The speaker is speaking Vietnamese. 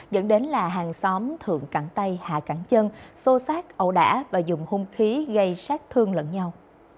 dẫn đến là hàng xóm thượng cặn tay hạ cẳng chân xô xát ẩu đả và dùng hung khí gây sát thương lẫn nhau